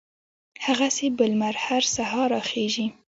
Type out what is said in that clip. هغسې به لمر هر سهار را خېژي